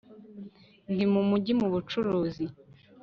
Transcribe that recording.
Ndi mumujyi mubucuruzi